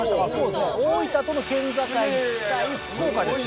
そうですね大分との県境に近い福岡ですね